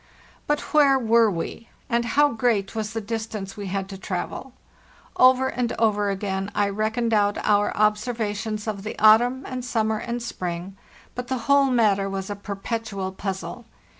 But where were we? And how great was the distance we had to travel? Over and over again | reckoned out our observations of the autumn and summer and spring, but the whole matter was a_per petual puzzle.